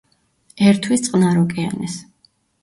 ერთვის წყნარ ოკეანეს.